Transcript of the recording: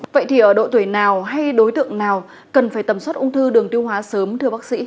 vậy thì ở độ tuổi nào hay đối tượng nào cần phải tầm soát ung thư đường tiêu hóa sớm thưa bác sĩ